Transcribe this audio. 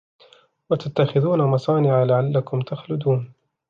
وَتَتَّخِذُونَ مَصَانِعَ لَعَلَّكُمْ تَخْلُدُونَ